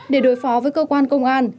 để đối phó với cơ quan công an